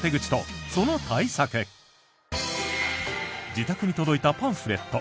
自宅に届いたパンフレット。